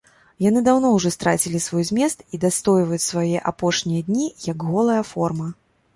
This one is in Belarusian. Яны даўно ўжо страцілі свой змест і дастойваюць свае апошнія дні як голая форма.